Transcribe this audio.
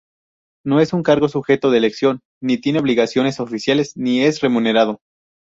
No es un cargo sujeto de elección, ni tiene obligaciones oficiales, ni es remunerado.